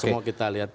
semua kita lihat